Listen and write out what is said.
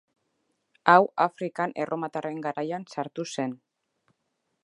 Hau Afrikan erromatarren garaian sartu zen.